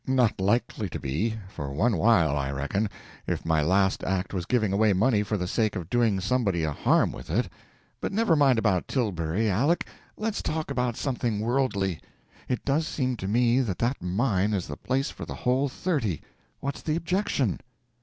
"Not likely to be, for _one _while, I reckon, if my last act was giving away money for the sake of doing somebody a harm with it. But never mind about Tilbury, Aleck, let's talk about something worldly. It does seem to me that that mine is the place for the whole thirty. What's the objection?"